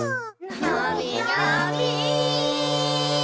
のびのび！